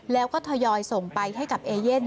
แล้วก็ทยอยส่งไปให้กับเอเย่น